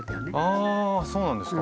あそうなんですか。